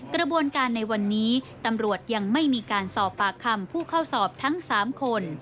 กระบวนการในวันนี้ตำรวจยังไม่มีการสอบปากคำผู้เข้าสอบทั้ง๓คน